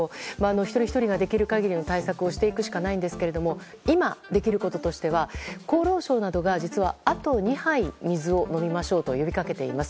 一人ひとりができる限りの対策をしていくしかないですが今できることとしては厚労省などがあと２杯水を飲みましょうと呼びかけています。